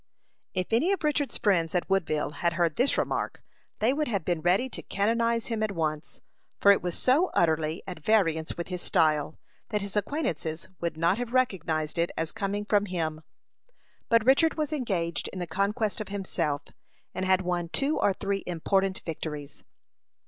If any of Richard's friends at Woodville had heard this remark, they would have been ready to canonize him at once, for it was so utterly at variance with his style, that his acquaintances would not have recognized it as coming from him. But Richard was engaged in the conquest of himself, and had won two or three important victories.